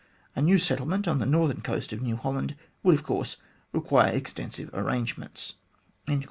A new settlement on the northern coast of New Holland would, of course, require extensive arrangements."